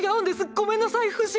ごめんなさいフシ！！